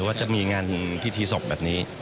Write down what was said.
ว่าจะมีงานพิธีศพแบบนี้